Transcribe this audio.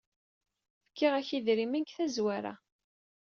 Kfiɣ-as idrimen deg tazwara.